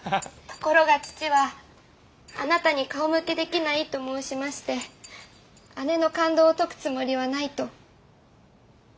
ところが父はあなたに顔向けできないと申しまして姉の勘当を解くつもりはないと。